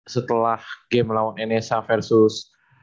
setelah game melawan nsh versus